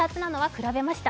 比べました。